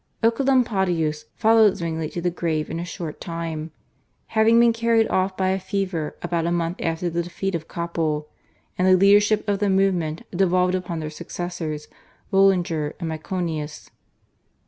Oecolampadius followed Zwingli to the grave in a short time, having been carried off by a fever about a month after the defeat of Kappel, and the leadership of the movement devolved upon their successors, Bullinger and Myconius.